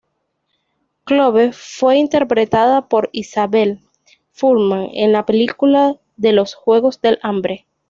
Clove fue interpretada por Isabelle Fuhrman en la película de Los Juegos del Hambre.